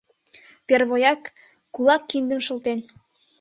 Первояк — кулак, киндым шылтен.